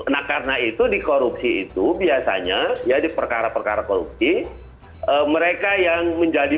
nah karena itu di korupsi itu biasanya ya di perkara perkara korupsi mereka yang menjadi